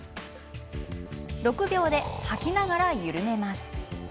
６秒で吐きながら緩めます。